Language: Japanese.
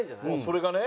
それがね。